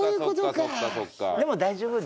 でも大丈夫です。